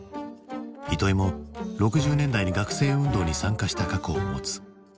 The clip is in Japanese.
糸井も６０年代に学生運動に参加した過去を持つ。